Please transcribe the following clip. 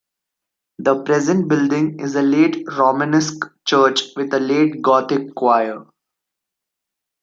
The present building is a late Romanesque church with a late gothic quire.